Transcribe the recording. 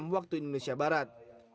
waktu indonesia barat